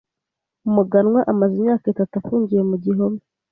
Umuganwa amaze imyaka itatu afungiye mu gihome.